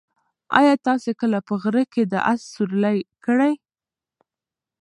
ایا تاسي کله په غره کې د اس سورلۍ کړې؟